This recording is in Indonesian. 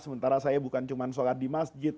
sementara saya bukan cuma sholat di masjid